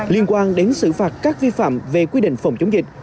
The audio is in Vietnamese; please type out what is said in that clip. liên quan đến xử phạt các vi phạm về quy định phòng chống dịch